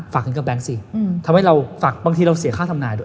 ถึงกับแบงค์สิทำให้เราฝากบางทีเราเสียค่าทำนายด้วย